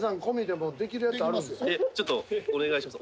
ちょっとお願いします。